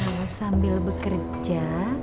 kalau sambil bekerja